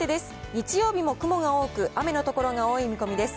日曜日も雲が多く雨の所が多い見込みです。